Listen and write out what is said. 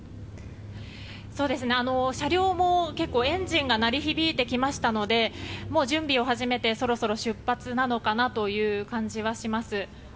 車両も結構エンジンが鳴り響いてきましたので準備を始めて、そろそろ出発なのかなという感じはします。